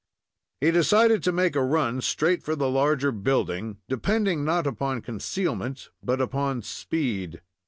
He decided to make a run straight for the larger building, depending not upon concealment but upon speed.